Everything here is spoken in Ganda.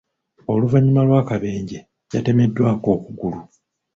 Oluvannyuma lw’akabenje, yatemebwako okugulu.